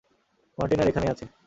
Container এখানেই আছে।